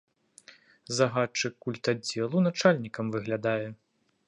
Загадчык культаддзелу начальнікам выглядае.